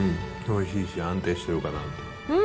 おいしいし、安定してるかなと。